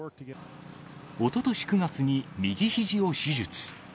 おととし９月に右ひじを手術。